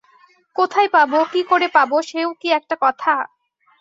কোথায় পাব, কী করে পাব, সেও কি একটা কথা!